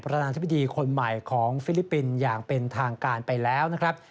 นาธิบดีคนใหม่ของฟิลิปปินส์อย่างเป็นทางการไปแล้วนะครับ